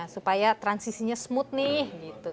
supaya transisinya smooth nih